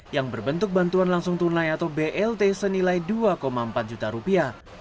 yang berbentuk bantuan langsung tunai atau blt senilai dua empat juta rupiah